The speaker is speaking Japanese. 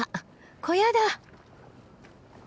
小屋だ！